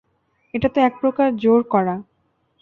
এটাতো একপ্রকার জোর করা।